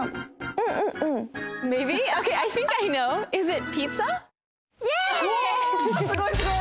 うおすごいすごい！